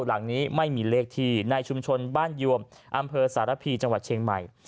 หลังนี้ไม่มีเลขที่ในชุมชนบ้านยวมอำเภอสารพีจังหวัดเชียงใหม่